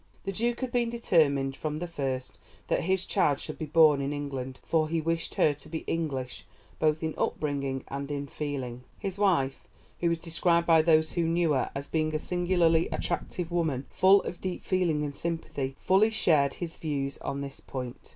The Duke had been determined from the first that his child should be born in England, for he wished her to be English both in upbringing and in feeling. His wife, who is described by those who knew her as being a singularly attractive woman, full of deep feeling and sympathy, fully shared his views on this point.